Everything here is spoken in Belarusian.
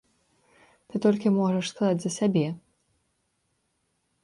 Ты толькі можаш сказаць за сябе.